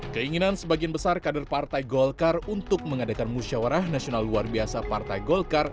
keinginan sebagian besar kader partai golkar untuk mengadakan musyawarah nasional luar biasa partai golkar